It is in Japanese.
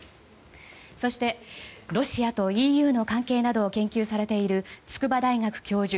そして、ロシアとＥＵの関係などを研究されている筑波大学教授